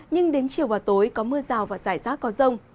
nhưng đến chiều và tối có mưa rào và rải rác có rông